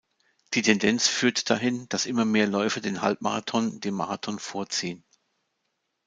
Die Tendenz führt dahin, dass immer mehr Läufer den Halbmarathon dem Marathon vorziehen.